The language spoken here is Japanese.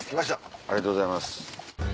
ありがとうございます。